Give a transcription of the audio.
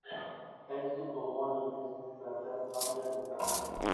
Ez dut gogoan inoiz plater hau jan izana.